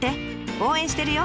応援してるよ！